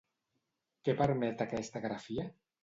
Què permet aquesta grafia?